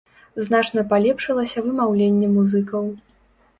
Значна палепшылася вымаўленне музыкаў.